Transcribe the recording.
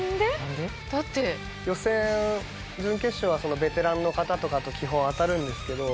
予選準決勝はベテランの方とかと基本当たるんですけど。